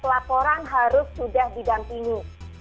laporan harus sudah didampingi